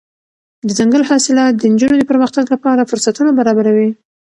دځنګل حاصلات د نجونو د پرمختګ لپاره فرصتونه برابروي.